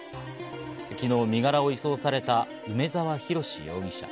昨日、身柄を移送された梅沢洋容疑者。